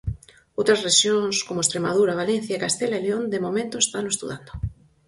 Outras rexións como Estremadura, Valencia e Castela e León de momento estano estudando.